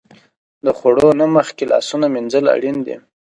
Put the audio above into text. د خوړو نه مخکې لاسونه مینځل اړین دي.